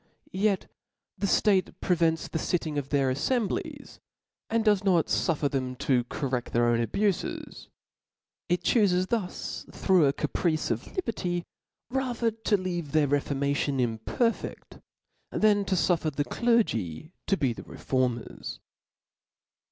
Yet the ftate prevents the fitting of their affim blies, and does not fufier them to corrcd their own abufes; OF LAWS. ' 4^5 » abufes ; it chufes thus, through a. caprice of li Book berty, rather to leave their reformation imperfcft, chap. 27. than to fufFer the clergy to be the reformers.